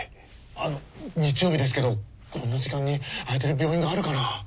あの日曜日ですけどこんな時間に開いてる病院があるかな？